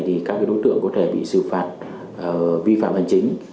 thì các đối tượng có thể bị xử phạt vi phạm hành chính